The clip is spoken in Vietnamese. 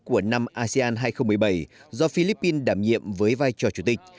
của năm asean hai nghìn một mươi bảy do philippines đảm nhiệm với vai trò chủ tịch